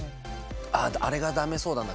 あれがダメそうだな